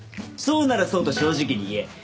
そうならそうと正直に言え。